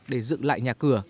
để dựng lại nhà cửa